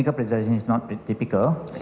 pemeriksaan klinis tidak tipikal